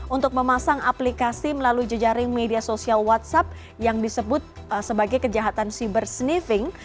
untuk memasang aplikasi melalui jejaring media sosial whatsapp yang disebut sebagai kejahatan cyber sniffing